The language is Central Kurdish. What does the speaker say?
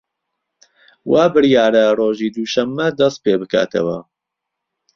وا بریارە ڕۆژی دووشەممە دەست پێ بکاتەوە